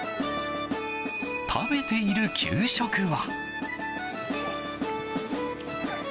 食べている給食は。